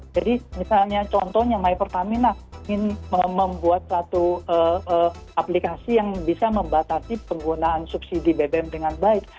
jadi misalnya contohnya my pertamina ingin membuat satu aplikasi yang bisa membatasi penggunaan subsidi bbm dengan baik